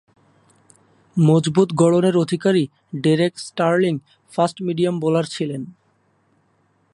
মজবুত গড়নের অধিকারী ডেরেক স্টার্লিং ফাস্ট-মিডিয়াম বোলার ছিলেন।